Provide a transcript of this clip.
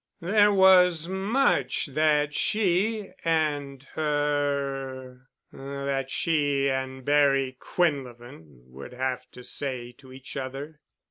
There was much that she and her—that she and Barry Quinlevin would have to say to each other.